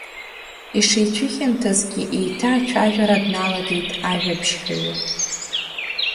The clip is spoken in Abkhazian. Ишицәыхьамҭазгьы еиҭа ацәажәара дналагеит ажәабжьҳәаҩы.